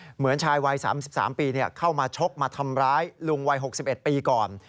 เหมือนชายวัย๓๓ปีเข้ามาชกมาทำร้ายลุงวัย๖๑ปีก่อน